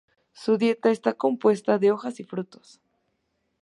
Su dieta está compuesta de hojas y frutos.